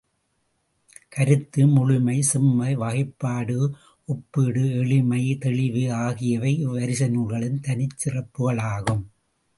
கருத்து முழுமை, செம்மை, வகைப்பாடு, ஒப்பீடு, எளிமை, தெளிவு ஆகியவை இவ்வரிசை நூல்களின் தனிச்சிறப்புகளாகும்.